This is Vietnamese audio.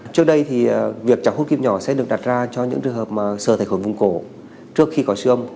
trước đây thì việc chọc hút kim nhỏ sẽ được đặt ra cho những trường hợp sờ thầy khuẩn vùng cổ trước khi có sư âm